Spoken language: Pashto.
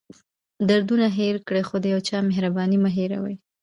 دردونه هېر کړئ خو د یو چا مهرباني مه هېروئ.